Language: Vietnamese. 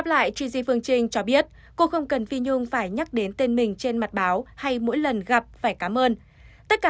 phi nhung không biết em không biết